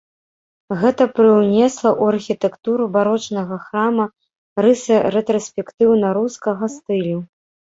Гэта прыўнесла ў архітэктуру барочнага храма рысы рэтраспектыўна-рускага стылю.